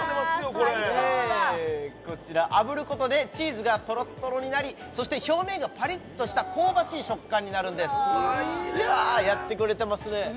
これこちら炙ることでチーズがとろっとろになりそして表面がパリッとした香ばしい食感になるんですわやってくれてますね